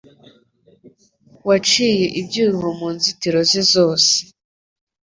Waciye ibyuho mu nzitiro ze zose